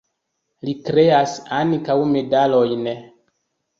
Li kreas ankaŭ medalojn.